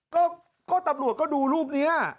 ก็ตำรวจก็ดูรูปนี้